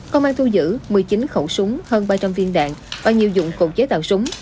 công an thu giữ một mươi chín khẩu súng hơn ba trăm linh viên đạn và nhiều dụng cụ chế tạo súng